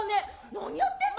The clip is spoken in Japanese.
何やってんの！？